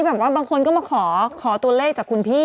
บางคนก็มาขอตัวเลขจากคุณพี่